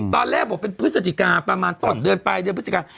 ตอนแรกบอกเป็นเพศศาสตร์กาประมาณต้นเดือนไปเงียบพฤติกา